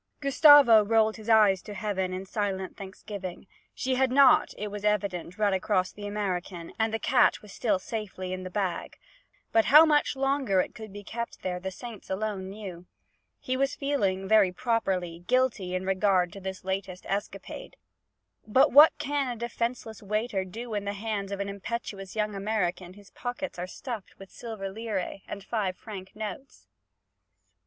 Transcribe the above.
Gustavo rolled his eyes to heaven in silent thanksgiving. She had not, it was evident, run across the American, and the cat was still safely in the bag; but how much longer it could be kept there the saints alone knew. He was feeling very properly guilty in regard to this latest escapade; but what can a defenceless waiter do in the hands of an impetuous young American whose pockets are stuffed with silver lire and five franc notes?